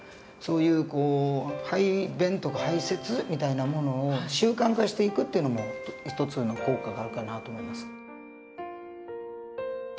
そういう排便とか排泄みたいなものを習慣化していくっていうのも一つの効果があるかなと思います。